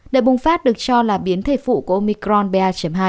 đợt bùng phát được cho là biến thể phụ của omicron ba hai